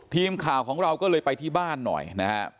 ทีมข่าวของเราก็เลยไปที่บ้านหน่อยนะครับ